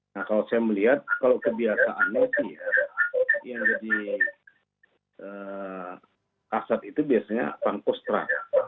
nah kalau saya melihat kalau kebiasaannya sih ya yang jadi ksad itu biasanya pangkostra